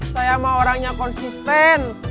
saya mau orangnya konsisten